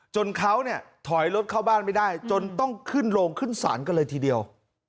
จนเขาเนี่ยถอยรถเข้าบ้านไม่ได้จนต้องขึ้นโรงขึ้นศาลกันเลยทีเดียว